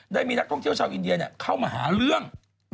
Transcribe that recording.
ได้มีนักท่องเที่ยวชาวอินเดียเข้ามาหาเรื่อง